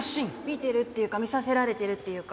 見てるっていうか見させられてるっていうか。